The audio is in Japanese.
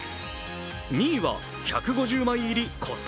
２位は１５０枚入りコスパ